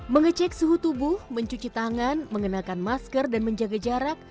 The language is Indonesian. mengecek suhu tubuh mencuci tangan mengenakan masker dan menjaga jarak